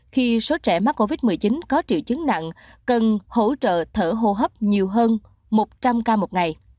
khi số trẻ mắc covid một mươi chín có triệu chứng nặng cần hỗ trợ thở hô hấp nhiều hơn một trăm linh ca một ngày